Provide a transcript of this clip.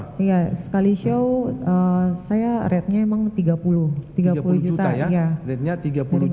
iya sekali show saya ratenya emang tiga puluh tiga puluh juta ya